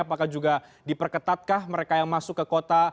apakah juga diperketatkah mereka yang masuk ke kota